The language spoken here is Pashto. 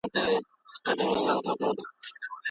ملګري مي وویل چي پروګرامینګ ډېر تمرکز غواړي.